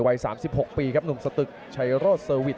สวัสดิ์นุ่มสตึกชัยโลธสวัสดิ์